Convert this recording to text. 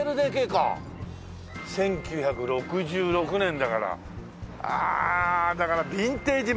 １９６６年だからああだからビンテージマンション。